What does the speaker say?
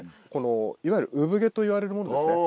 いわゆる産毛といわれるものですね。